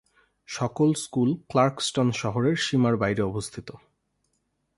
সকল school Clarkston শহরের সীমার বাইরে অবস্থিত।